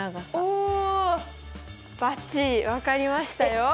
おお！バッチリ分かりましたよ。